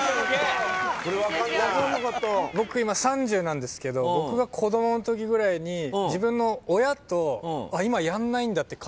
僕今３０なんですけど僕が子供んときぐらいに自分の親と今やんないんだって会話したの覚えてて。